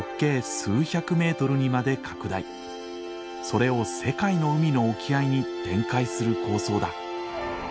それを世界の海の沖合に展開する構想だ。